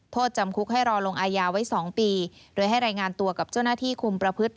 โทษจำคุกให้รอลงอายาไว้๒ปีโดยให้รายงานตัวกับเจ้าหน้าที่คุมประพฤติ